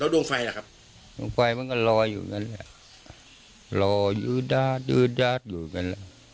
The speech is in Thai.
ดวงไฟมันก็ลอยอยู่แบบนั้นลอยอยู่ด้าดอยู่แบบนั้น